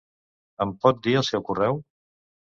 Em pot dir el seu correu?